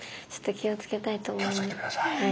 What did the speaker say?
気をつけて下さい。